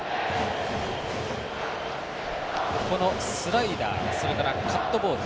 このスライダーそれから、カットボール。